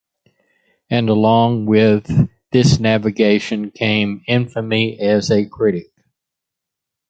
And along with this navigation came infamy as a critic.